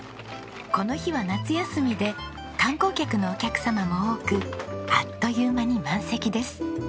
この日は夏休みで観光客のお客様も多くあっという間に満席です。